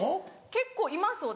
結構います私。